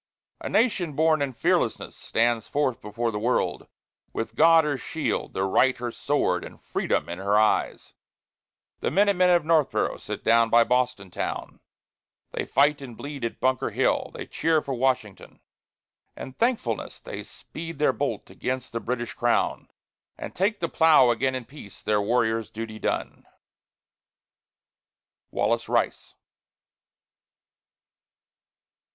A Nation born in fearlessness stands forth before the world With God her shield, the Right her sword, and Freedom in her eyes. The Minute Men of Northboro' sit down by Boston town; They fight and bleed at Bunker Hill; they cheer for Washington. In thankfulness they speed their bolt against the British Crown; And take the plough again in peace, their warrior's duty done. WALLACE RICE.